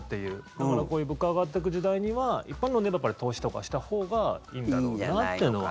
だから、こういう物価が上がっていく時代には一般論で言えばやっぱり投資とかしたほうがいいんだろうなっていうのは。